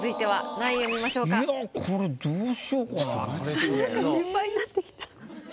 なんか心配になってきた。